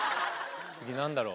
次何だろう？